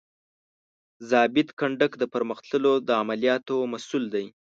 ضابط کنډک د پرمخ تللو د عملیاتو مسؤول دی.